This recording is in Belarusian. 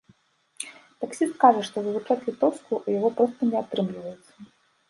Таксіст кажа, што вывучыць літоўскаю ў яго проста не атрымліваецца.